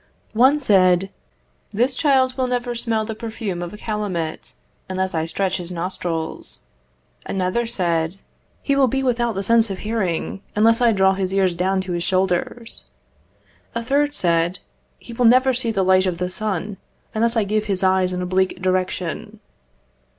One said "This child will never smell the perfume of a calumet, unless I stretch his nostrils." Another said "He will be without the sense of hearing, unless I draw his ears down to his shoulders." A third said "He will never see the light of the sun, unless I give his eyes an oblique direction."